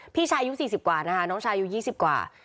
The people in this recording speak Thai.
พี่ชายอยู่สี่สิบกว่านะคะน้องชายอยู่ยี่สิบกว่า